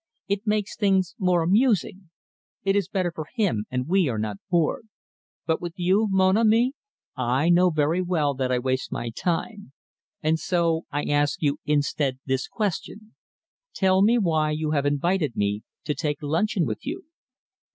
It makes things more amusing. It is better for him, and we are not bored. But with you, mon ami, I know very well that I waste my time. And so, I ask you instead this question. Tell me why you have invited me to take luncheon with you."